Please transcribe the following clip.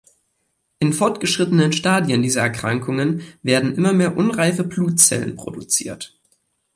In fortgeschrittenen Stadien dieser Erkrankungen werden immer mehr unreife Blutzellen produziert.